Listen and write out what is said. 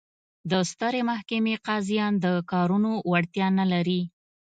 د سترې محکمې قاضیان د کارونو وړتیا نه لري.